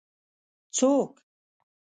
ـ څوک؟